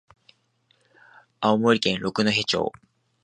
青森県六戸町